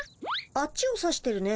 あっちを指してるね。